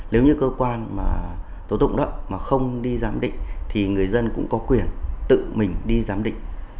nếu như cơ quan mà tố tụng đó mà không đi giám định thì người dân cũng có quyền tự mình đi giám định